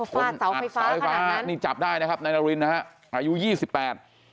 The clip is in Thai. คนเสาไฟฟ้าเสาไฟฟ้านี่จับได้นะครับนายนารินนะฮะอายุยี่สิบแปด